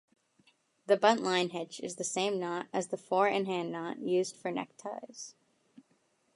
The buntline hitch is the same knot as the four-in-hand knot used for neckties.